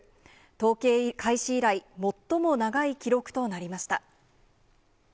統計開始以来、最も長い記録となりました。